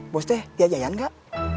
bos deh yayan gak